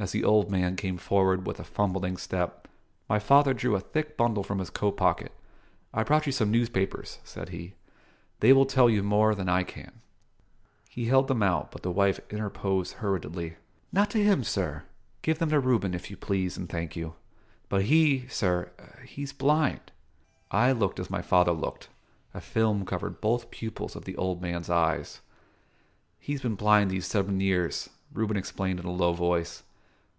As the old man came forward with a fumbling step, my father drew a thick bundle from his coat pocket. "I've brought you some newspapers," said he; "they will tell you more than I can." He held them out, but the wife interposed hurriedly. "Not to him, sir. Give them to Reuben, if you please, and thank you. But he, sir he's blind." I looked, as my father looked. A film covered both pupils of the old man's eyes. "He've been blind these seven years," Reuben explained in a low voice.